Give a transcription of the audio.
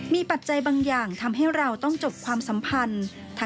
มีปัจจัยบางอย่างทำให้เราต้องจบความสัมพันธ์